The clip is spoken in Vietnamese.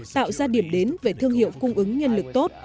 tạo ra điểm đến về thương hiệu cung ứng nhân lực tốt